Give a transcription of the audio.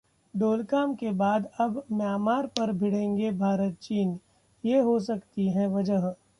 डोकलाम के बाद अब म्यांमार पर भिड़ेंगे भारत-चीन? ये हो सकती है वजह